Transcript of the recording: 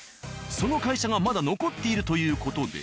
その会社がまだ残っているという事で。